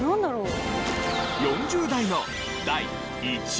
４０代の第１位。